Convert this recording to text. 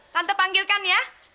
tante panggilkan ya